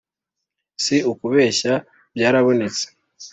Si ukubeshya byarabonetse